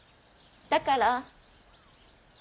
だから。